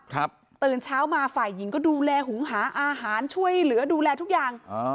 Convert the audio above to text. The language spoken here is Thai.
ตื่นเช้ามาฝ่ายหญิงก็ดูแลหุงหาอาหารช่วยเหลือดูแลทุกอย่างอ๋อ